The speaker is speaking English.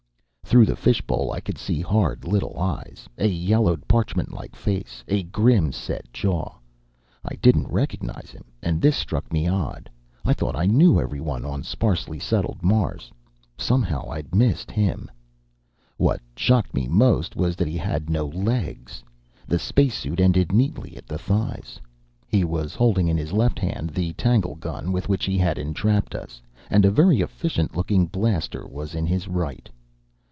Through the fishbowl I could see hard little eyes, a yellowed, parchment like face, a grim set jaw. I didn't recognize him, and this struck me odd. I thought I knew everyone on sparsely settled Mars. Somehow I'd missed him. What shocked me most was that he had no legs. The spacesuit ended neatly at the thighs. He was holding in his left hand the tanglegun with which he had entrapped us, and a very efficient looking blaster was in his right.